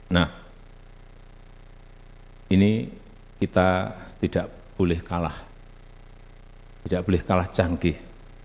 nah ini kita tidak boleh kalah tidak boleh kalah canggih